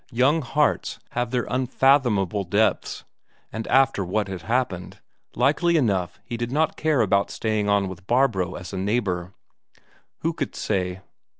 Young hearts have their unfathomable depths, and after what had happened, likely enough he did not care about staying on with Barbro as a neighbour. Who could say?